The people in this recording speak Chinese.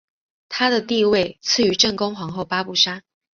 她的地位次于正宫皇后八不沙。